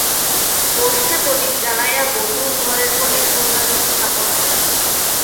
গোষ্ঠে প্রদীপ জ্বালাইয়া বধূ ঘরের কোণে সন্ধ্যাদীপ স্থাপন করে।